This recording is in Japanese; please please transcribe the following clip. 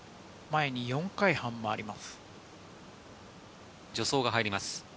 前に４回半回ります。